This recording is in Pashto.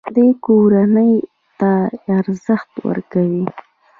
دوی کورنۍ ته ارزښت ورکوي.